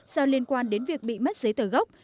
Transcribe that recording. do liên quan đến việc bị mất giấy tờ gốc